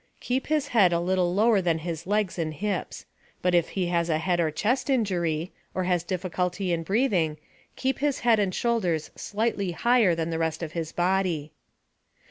Keep his head a little lower than his legs and hips. But if he has a head or chest injury, or has difficulty in breathing, keep his head and shoulders slightly higher than the rest of his body.